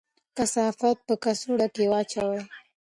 کثافات په کڅوړه کې واچوئ.